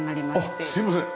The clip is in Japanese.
あっすいません。